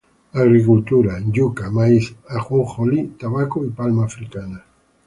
Agricultura: yuca, maíz, ajonjolí, tabaco y palma africana.